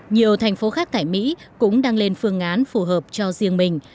nhiều thành phố khác tại mỹ cũng đang lên phương án phù hợp cho riêng mình